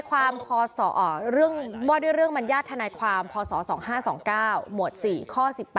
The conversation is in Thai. ว่าด้วยเรื่องมัญญาติธนายความพศ๒๕๒๙หมวด๔ข้อ๑๘